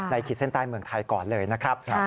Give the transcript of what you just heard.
ขีดเส้นใต้เมืองไทยก่อนเลยนะครับ